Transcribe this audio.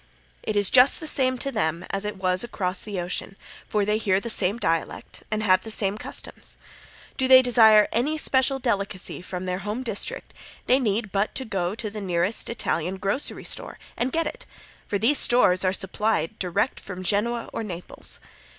It is just the same to them as it was across the ocean, for they hear the same dialect and have the same customs. Do they desire any special delicacy from their home district, they need but go to the nearest Italian grocery store and get it, for these stores are supplied direct from Genoa or Naples.